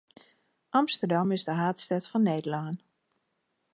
Amsterdam is de haadstêd fan Nederlân.